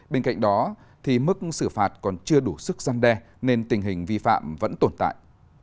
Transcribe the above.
bên cạnh đó mức xử phạt còn chưa đủ sức gian đe nên tình hình vi phạm vẫn tồn tại